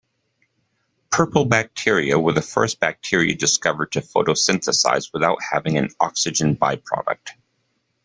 Purple bacteria were the first bacteria discovered to photosynthesize without having an oxygen byproduct.